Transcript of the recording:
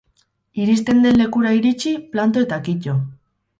Iristen den lekura iritsi, planto eta kito.